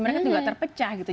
mereka juga terpecah gitu